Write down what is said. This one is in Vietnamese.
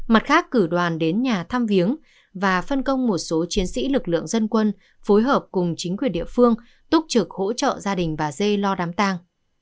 mặt khác cử đoàn đến nhà thăm viếng và phân công một số chiến sĩ lực lượng dân quân phối hợp cùng chính quyền địa phương túc trực hỗ trợ gia đình bà dê lo đám tang